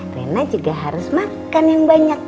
rena juga harus makan yang banyak